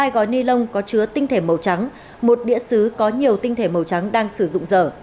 hai gói ni lông có chứa tinh thể màu trắng một đĩa xứ có nhiều tinh thể màu trắng đang sử dụng dở